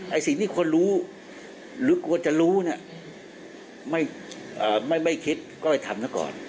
ไอ้สิ่งที่ควรรู้หรือกว่าจะรู้เนี่ยไม่อ่าไม่ไม่คิดก็ไปทำซะก่อน